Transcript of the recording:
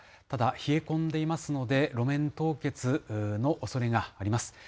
ただ、冷え込んでいますので、路面凍結のおそれがあります。